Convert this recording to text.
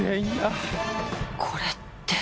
これって。